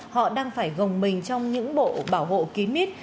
họ đang phải gồng mình trong những bộ bảo hộ kín mít